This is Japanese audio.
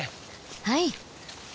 はい。